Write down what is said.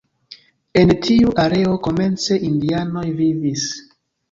En tiu areo komence indianoj vivis.